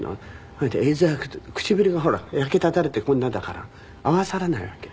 それで唇がほら焼けただれてこんなだから合わさらないわけ。